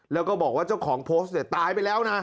แล้วก็บอกว่าเจ้าของโพสต์เนี่ยตายไปแล้วนะ